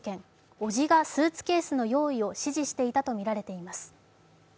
おじがスーツケースの用意を指示していたとみられています。